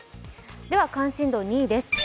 では関心度２位です。